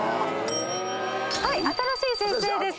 新しい先生です。